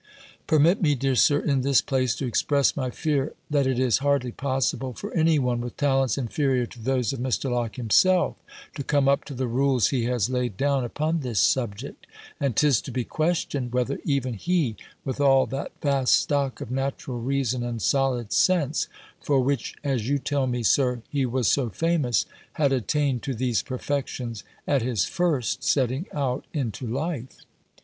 Permit me, dear Sir, in this place to express my fear that it is hardly possible for any one, with talents inferior to those of Mr. Locke himself, to come up to the rules he has laid down upon this subject; and 'tis to be questioned, whether even he, with all that vast stock of natural reason and solid sense, for which, as you tell me, Sir, he was so famous, had attained to these perfections, at his first setting out into life.